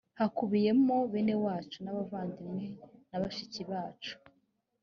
hakubiyemo bene wacu n’abavandimwe na bashiki bacu